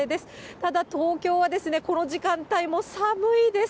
ただ、東京はこの時間帯も寒いです。